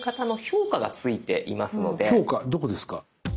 評価どこですか？